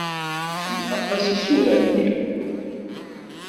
Iḥemmel aṭas isura-nni.